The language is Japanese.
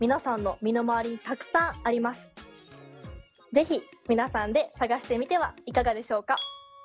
是非皆さんで探してみてはいかがでしょうか？